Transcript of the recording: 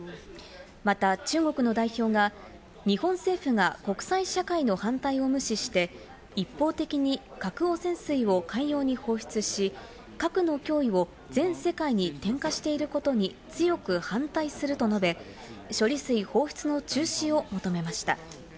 また中国の代表が、日本政府が国際社会の反対を無視して一方的に核汚染水を海洋に放出し、核の脅威を全世界に転嫁していることに強く反対すると述べ、処理水放出の中止を求めました。